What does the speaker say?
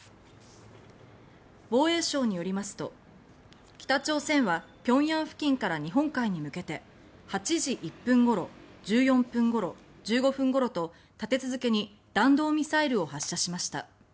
防衛省によりますと、北朝鮮は平壌付近から日本海に向けて８時１分ごろ１４分ごろ、１５分ごろと立て続けに弾道ミサイルを発射しました。